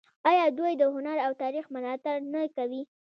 آیا دوی د هنر او تاریخ ملاتړ نه کوي؟